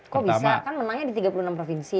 kok bisa kan menangnya di tiga puluh enam provinsi